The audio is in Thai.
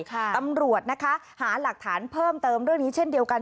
ตำรวจนะคะหาหลักฐานเพิ่มเติมเรื่องนี้เช่นเดียวกัน